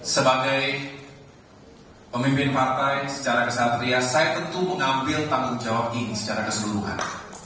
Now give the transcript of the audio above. sebagai pemimpin partai secara kesatria saya tentu mengambil tanggung jawab ini secara keseluruhan